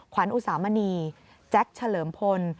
ขวัญอุสามณีแจ็คเฉลิมพล